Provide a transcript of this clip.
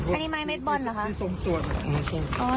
อันนี้ไม้เม็ดบอลเหรอคะ